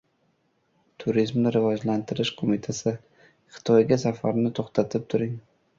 Turizmni rivojlantirish qo‘mitasi: "Xitoyga safarni to‘xtatib turing...”